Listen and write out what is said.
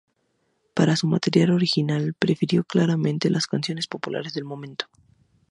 Para su material original, prefirió claramente las canciones populares del momento.